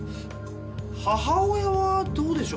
母親はどうでしょう？